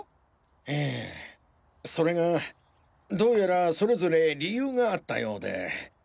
ええそれがどうやらそれぞれ理由があったようで。